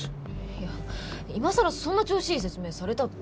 いや今さらそんな調子いい説明されたって。